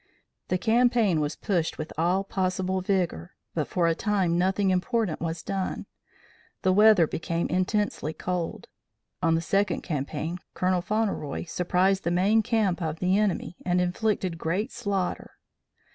The campaign was pushed with all possible vigor, but for a time nothing important was done. The weather became intensely cold. On the second campaign, Colonel Fauntleroy surprised the main camp of the enemy and inflicted great slaughter.